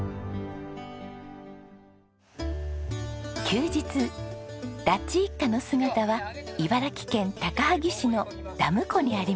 休日ラッジ一家の姿は茨城県高萩市のダム湖にありました。